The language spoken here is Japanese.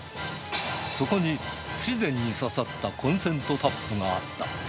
そこに不自然にささったコンセントタップがあった。